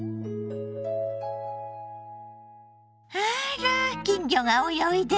あら金魚が泳いでるわ！